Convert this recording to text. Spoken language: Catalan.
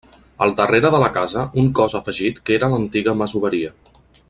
Al darrere de la casa un cos afegit que era l'antiga masoveria.